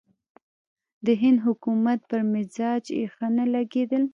د هند حکومت پر مزاج یې ښه نه لګېدل.